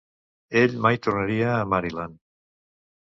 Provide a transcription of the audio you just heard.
Ell mai tornaria a Maryland.